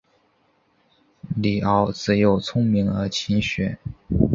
李鏊自幼聪明而勤学。